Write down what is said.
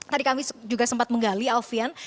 tadi kami juga sempat menggali alfian